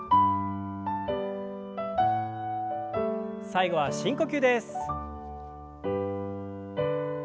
最後は深呼吸です。